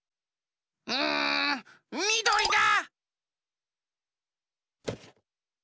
うんみどりだ！